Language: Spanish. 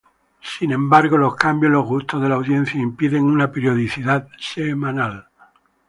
Sin embargo, los cambios en los gustos de la audiencia impiden una periodicidad semanal.